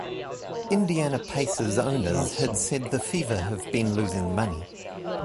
Indiana Pacers owners had said the Fever have been losing money.